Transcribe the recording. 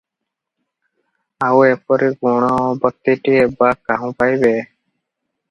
ଆଉ ଏପରି ଗୁଣବତୀଟିଏ ବା କାହୁଁ ପାଇବେ?